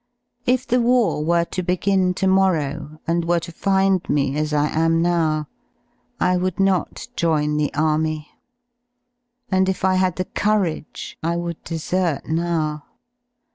If the war were to begin to morrow and were to find me as I am now, I fj .would not join the Army, and if I had the courage I would'' desert now.